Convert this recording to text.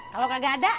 kalau kagak ada